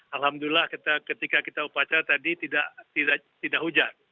alhamdulillah ketika kita upacara tadi tidak hujan